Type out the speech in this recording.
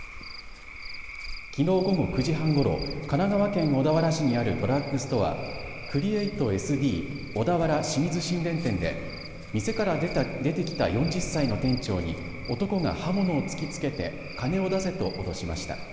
きのう午後９時半ごろ、神奈川県小田原市にあるドラッグストアクリエイトエス・ディー小田原清水新田店で店から出てきた４０歳の店長に男が刃物を突きつけて金を出せと脅しました。